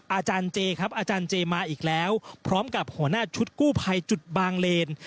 อาจารย์เจครับอาจารย์เจมาอีกแล้วพร้อมกับหัวหน้าชุดกู้ภัยจุดบางเลน